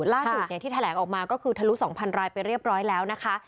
ล่าสุดที่แถลงออกมาก็คือทะลุ๒๐๐รายไปเรียบร้อยแล้วนะคะ